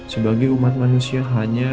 sebagai umat manusia hanya